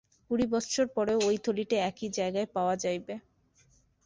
কুড়ি বৎসর পরেও ঐ থলিটি একই জায়গায় পাওয়া যাইবে।